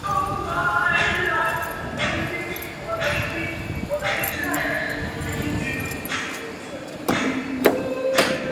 Massachusetts' electoral law at the time required a majority for election.